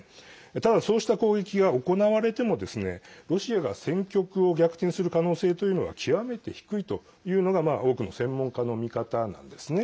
ただ、そうした攻撃が行われてもロシアが戦局を逆転する可能性というのは極めて低いというのが多くの専門家の見方なんですね。